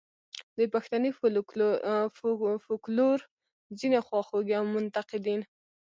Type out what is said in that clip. د پښتني فوکلور ځینې خواخوږي او منتقدین.